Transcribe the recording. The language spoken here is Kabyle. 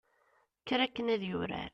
kker akken ad yurar